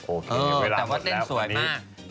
โอเคเวลาหมดแล้วแต่ว่าเต้นสวยมาก